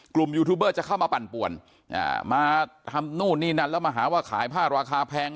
ยูทูบเบอร์จะเข้ามาปั่นป่วนมาทำนู่นนี่นั่นแล้วมาหาว่าขายผ้าราคาแพง